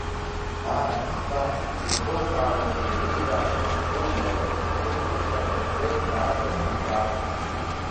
Ааи, хԥа, иахылҳәаауа еиликаарц иҭахыушәа, ихы шьҭыхны апатреҭ дааҵаԥшит Шьааб.